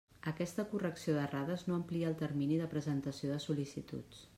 Aquesta correcció d'errades no amplia el termini de presentació de sol·licituds.